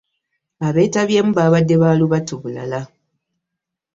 Abeetabyemu baabadde ba lubatu bulala.